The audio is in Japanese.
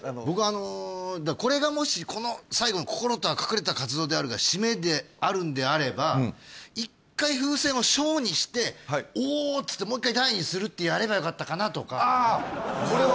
僕これがもしこの最後の「心とは隠れた活動である」が締めであるんであればうん１回風船を小にして「お」っつってもう一回大にするってやればよかったかなとかあ！